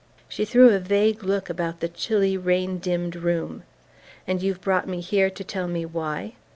She threw a vague look about the chilly rain dimmed room. "And you've brought me here to tell me why?"